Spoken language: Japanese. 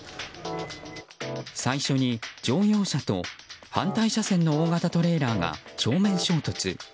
最初に、乗用車と反対車線の大型トレーラーが正面衝突。